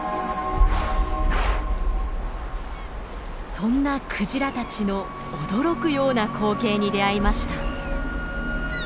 そんなクジラたちの驚くような光景に出会いました。